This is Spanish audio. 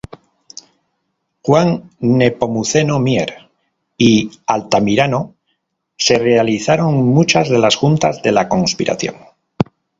Juan Nepomuceno Mier y Altamirano, se realizaron muchas de las juntas de la conspiración.